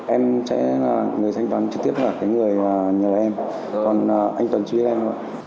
em sẽ là người thanh toán trực tiếp là cái người nhờ em còn anh tuấn chỉ biết em thôi